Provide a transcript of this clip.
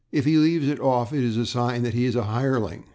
If he leaves it off it is a sign that he is a hireling.